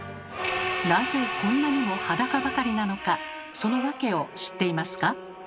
なぜこんなにも裸ばかりなのかその訳を知っていますか？